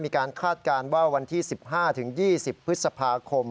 คาดการณ์ว่าวันที่๑๕๒๐พฤษภาคม